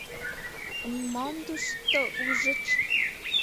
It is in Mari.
— М-мом туш-то у-ужыч?